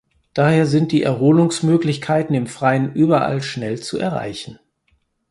Daher sind die Erholungsmöglichkeiten im Freien überall schnell zu erreichen.